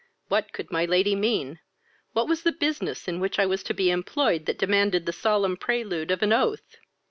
What could my lady mean? what was the business in which I was to be employed that demanded the solemn prelude of an oath?